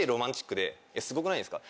すごくないですか？